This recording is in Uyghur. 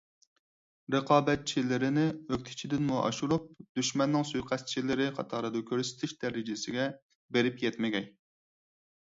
رىقابەتچىلىرىنى ئۆكتىچىدىنمۇ ئاشۇرۇپ «دۈشمەننىڭ سۇيىقەستچىلىرى» قاتارىدا كۆرسىتىش دەرىجىسىگە بېرىپ يەتمىگەي.